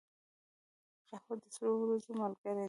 قهوه د سړو ورځو ملګرې ده